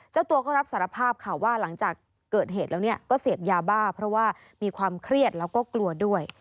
เจ้าตัวก็รับสารภาพค่ะว่าหลังจากเกิดเหตุแล้วเนี่ยก็เสพยาบ้าเพราะว่ามีความเครียดแล้วก็กลัวด้วย